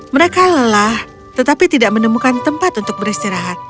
mereka lelah tetapi tidak menemukan tempat untuk beristirahat